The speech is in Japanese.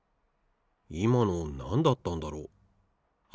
いまのなんだったんだろう？